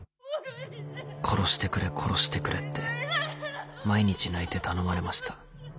殺してくれ殺してくれって毎日泣いて頼まれました。